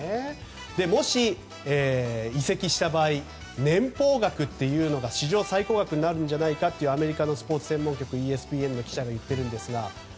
もし移籍した場合年俸額というのが史上最高額になるんじゃないかというアメリカのスポーツ専門局ＥＳＰＮの記者も言っているんですが。